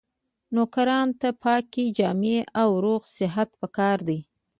نوکرانو ته پاکې جامې او روغ صورت پکار دی.